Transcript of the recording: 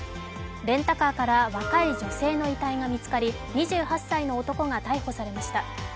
レンタカーから若い女性の遺体が見つかり２８歳の男が逮捕されました。